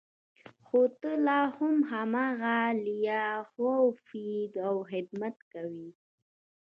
خو ته لا هم هماغه لیاخوف یې او خدمت کوې